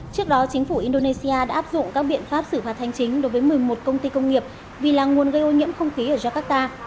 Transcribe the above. trước đó chính phủ indonesia đã áp dụng các biện pháp xử phạt hành chính đối với một mươi một công ty công nghiệp vì là nguồn gây ô nhiễm không khí ở jakarta